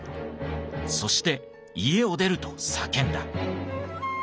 そして「家を出る！」と叫んだ。